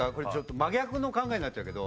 真逆の考えになっちゃうけど。